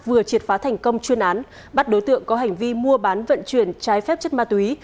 vừa triệt phá thành công chuyên án bắt đối tượng có hành vi mua bán vận chuyển trái phép chất ma túy